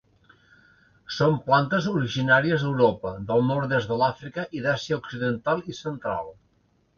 Són plantes originàries d'Europa, del nord-oest de l'Àfrica i d'Àsia occidental i central.